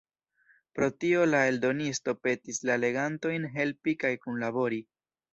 Pro tio la eldonisto petis la legantojn helpi kaj kunlabori.